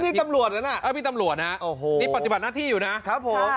นี่ตำรวจน่ะนะพี่ตำรวจนะนี่ปฏิบัติหน้าที่อยู่นะครับผม